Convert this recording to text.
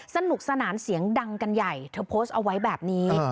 สนุกสนานเสียงดังกันใหญ่เธอโพสต์เอาไว้แบบนี้